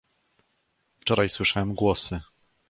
"Wczoraj słyszałem głosy."